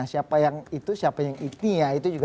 siapa yang itu siapa yang itu ya itu juga